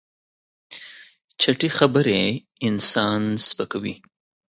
چټي خبرې انسان سپکوي.